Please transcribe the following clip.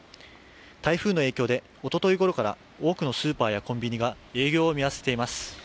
台風の影響で、おとといごろから多くのスーパーやコンビニが営業を見合わせています。